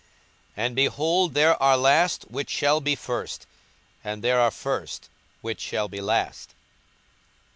42:013:030 And, behold, there are last which shall be first, and there are first which shall be last.